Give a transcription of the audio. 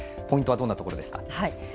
ポイントはどんなところですか？